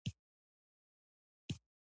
په عین حال کې خان زمان دا یادونه هم راته وکړه.